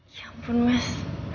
ya ampun mas